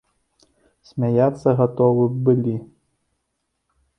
Смяяцца гатовы б былі.